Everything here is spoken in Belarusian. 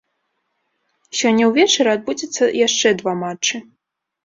Сёння ўвечары адбудзецца яшчэ два матчы.